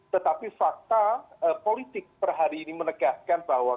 tetapi fakta politik perhari ini menegaskan bahwa